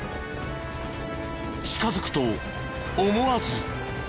近づくと思わず。